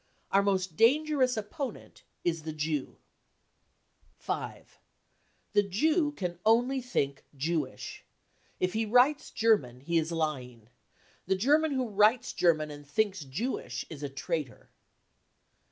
Our most dangerous opponent is the Jew. 5. The Jew can only think Jewish. If he writes German, he is lying. The German who writes German and thinks Jewish is a traitor.